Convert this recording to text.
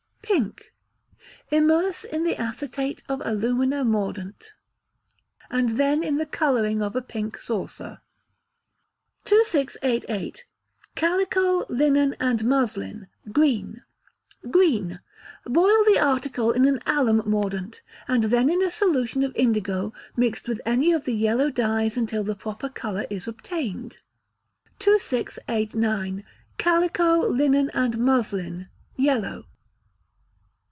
Pink. Immerse in the acetate of alumina mordant, and then in the colouring of a pink saucer. 2688. Calico, Linen, and Muslin (Green). Green. Boil the article in an alum mordant, and then in a solution of indigo mixed with any of the yellow dyes until the proper colour is obtained. 2689. Calico, Linen, and Muslin (Yellow).